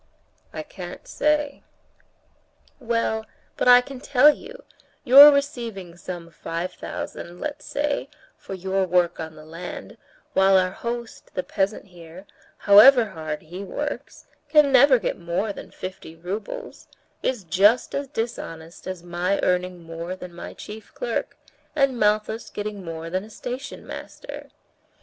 "I can't say." "Well, but I can tell you: your receiving some five thousand, let's say, for your work on the land, while our host, the peasant here, however hard he works, can never get more than fifty roubles, is just as dishonest as my earning more than my chief clerk, and Malthus getting more than a station master.